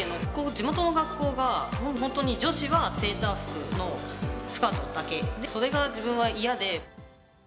地元の学校が、もう本当に女子はセーラー服のスカートだけ、それが自分は嫌で。